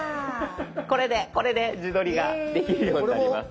これで自撮りができるようになります。